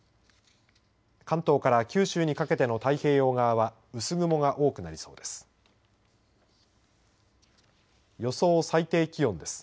関東から九州にかけての太平洋側は薄雲が多くなりそうです。